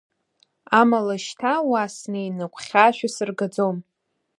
Амала шьҭа уа снеины агәхьаа шәасыргаӡом.